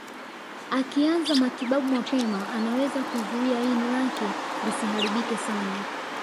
Akianza matibabu mapema anaweza kuzuia ini lake lisiharibike sana